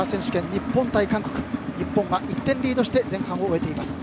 日本は１点リードして前半を終えています。